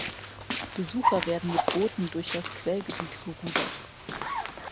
Besucher werden mit Booten durch das Quellgebiet gerudert.